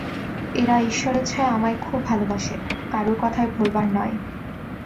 এরা ঈশ্বরেচ্ছায় আমায় খুব ভালবাসে, কারুর কথায় ভোলবার নয়।